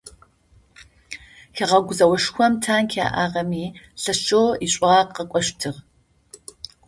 Хэгъэгу зэошхом танк яӏагъэми лъэшэу ишӏуагъэ къэкӏощтыгъ.